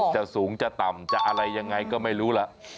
จะสูงจะต่ำจะอะไรยังไงก็ไม่รู้ล่ะ